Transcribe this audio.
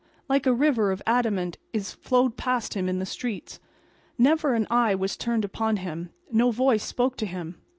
Like a river of adamant it flowed past him in the streets. Never an eye was turned upon him; no voice spoke to him.